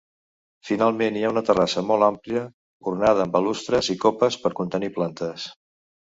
Finalment hi ha una terrassa molt àmplia ornada amb balustres i copes per contenir plantes.